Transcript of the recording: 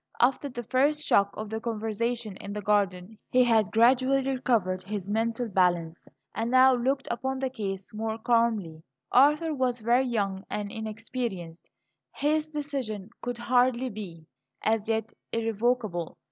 After the first shock of the conversation in the garden he had gradually recovered his mental balance, and now looked upon the case more calmly. Arthur was very young and inexperienced; his decision could hardly be, as yet, irrevocable.